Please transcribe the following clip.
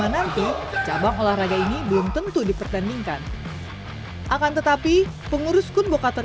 dua ribu dua puluh lima nanti cabang olahraga ini belum tentu dipertandingkan akan tetapi pengurus kumbhokator